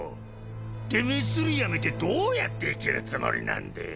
てめえスリやめてどうやって生きるつもりなんでぇ？